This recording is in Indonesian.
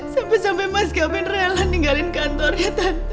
sampai sampai mas kevin rela ninggalin kantornya tante